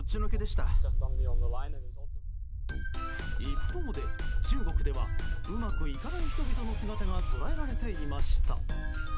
一方で、中国ではうまくいかない人々の姿が捉えられていました。